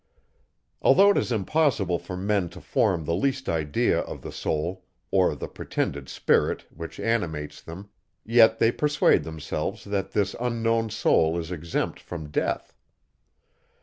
Although it is impossible for men to form the least idea of the soul, or the pretended spirit, which animates them; yet they persuade themselves that this unknown soul is exempt from death.